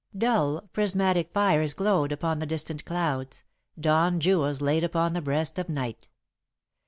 Dull, prismatic fires glowed upon the distant clouds dawn jewels laid upon the breast of Night.